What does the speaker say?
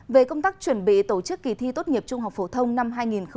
về công tác chuẩn bị tổ chức kỳ thi tốt nghiệp trung học phổ thông năm hai nghìn hai mươi